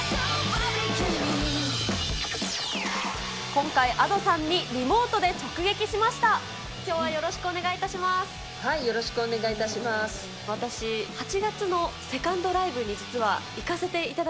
今回、Ａｄｏさんにリモートで直撃しました。